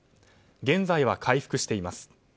現在は回復しています。